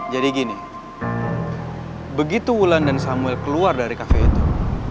jadi gini begitu wulan dan samuel keluar dari kafe itu